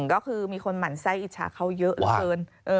ก็คือมีคนหมั่นไส้อิจฉาเขาเยอะเหลือเกิน